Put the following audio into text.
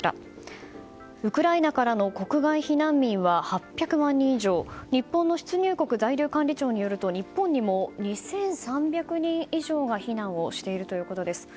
ウクライナからの国外避難民は８００万人以上日本の出入国在留管理庁によると日本にも２３００人以上が避難をしているということです。